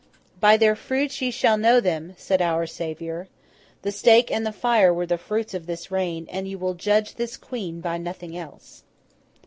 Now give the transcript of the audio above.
'By their fruits ye shall know them,' said Our Saviour. The stake and the fire were the fruits of this reign, and you will judge this Queen by nothing else.